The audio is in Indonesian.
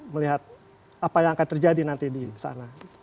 melihat apa yang akan terjadi nanti di sana